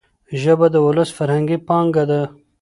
ژبه د ولس فرهنګي پانګه ده.